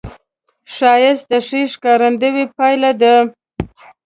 ښایست د ښې ښکارندې پایله ده